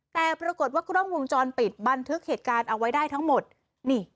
แต่ปรากฏว่ากล้องวงจรปิดบันทึกเหตุการณ์เอาไว้ได้ทั้งหมดนี่